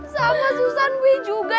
sama susan wi juga